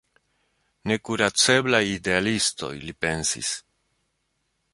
Nekuraceblaj idealistoj, li pensis.